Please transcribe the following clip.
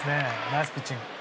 ナイスピッチング！